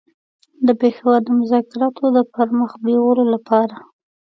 د پېښور د مذاکراتو د پر مخ بېولو لپاره.